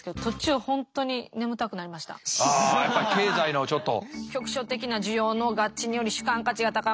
やっぱり経済のちょっと。